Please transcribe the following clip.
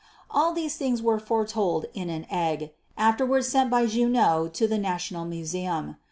All these things were foretold in an egg, afterwards sent by Junot to the National Museum.